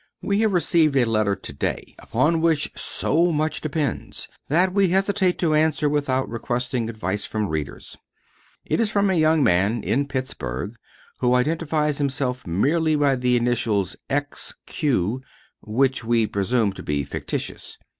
We have received a letter to day upon which so much depends that we hesitate to answer without requesting advice from readers. It is from a young man in Pittsburgh who identifies himself merely by the initials X. Q., which we presume to be fictitious.